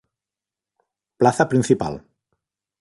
Plaza Principal.